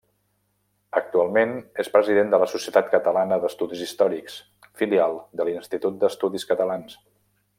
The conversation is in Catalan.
Actualment és president de la Societat Catalana d'Estudis Històrics, filial de l'Institut d'Estudis Catalans.